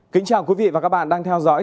kính chào quý vị và các bạn đang theo dõi